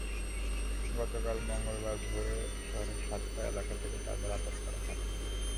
গতকাল মঙ্গলবার ভোরে শহরের সাতপাই এলাকা থেকে তাঁদের আটক করা হয়।